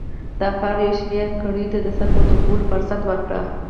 دا کار یو شمېر کړیو ته د سر پورته کولو فرصت ورکړ.